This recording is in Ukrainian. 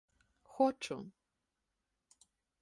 — Хочу.